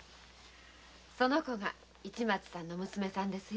この娘が市松さんの娘さんですよ。